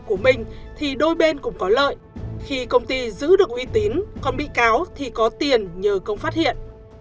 của mình thì đôi bên cũng có lợi khi công ty giữ được uy tín còn bị cáo thì có tiền nhờ công phát hiện